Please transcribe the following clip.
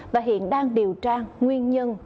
và hiện đang điều tra nguyên nhân